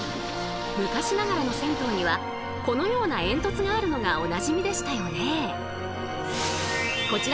昔ながらの銭湯にはこのような煙突があるのがおなじみでしたよね。